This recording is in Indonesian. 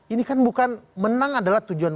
ini kan bukan menang adalah tujuan